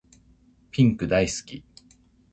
ピンク大好き